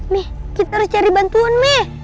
mi kita harus cari bantuan mi